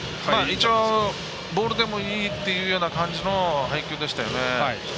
一応、ボールでもいいっていうような感じの配球でしたよね。